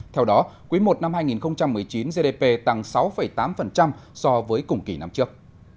theo đó quý i năm hai nghìn một mươi chín gdp tăng sáu tám so với cùng kỳ năm trước